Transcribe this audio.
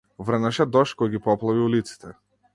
Врнеше дожд кој ги поплави улиците.